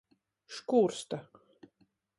Škūrsta.